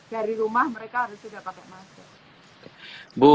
dari rumah mereka harus sudah pakai masker